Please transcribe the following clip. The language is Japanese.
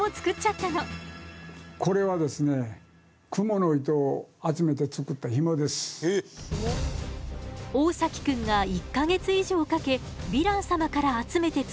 これはですね大崎くんが１か月以上かけヴィラン様から集めて作ったヒモ。